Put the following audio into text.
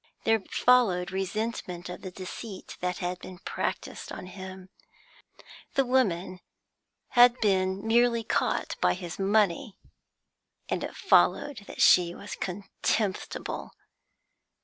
There followed resentment of the deceit that had been practised on him; the woman had been merely caught by his money, and it followed that she was contemptible.